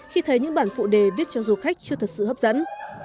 khi thấy những bản phụ đề viết cho du khách chưa thật sự hấp dẫn